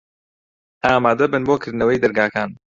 ئامادە بن بۆ کردنەوەی دەرگاکان.